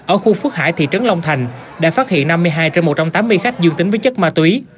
ở khu phước hải thị trấn long thành đã phát hiện năm mươi hai trên một trăm tám mươi khách dương tính với chất ma túy